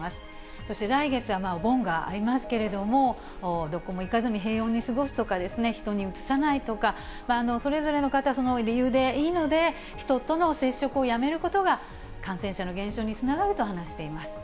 そして来月はお盆がありますけれども、どこも行かずに平穏に過ごすとか、人にうつさないとか、それぞれの方、その理由でいいので、人との接触をやめることが、感染者の減少につながると話しています。